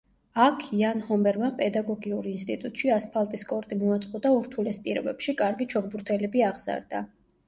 აქ, იან ჰომერმა პედაგოგიურ ინსტიტუტში ასფალტის კორტი მოაწყო და ურთულეს პირობებში კარგი ჩოგბურთელები აღზარდა.